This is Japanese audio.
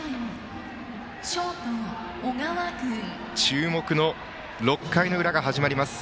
注目の６回の裏が始まります。